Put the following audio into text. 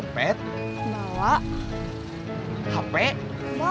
nanti terjebak ya mending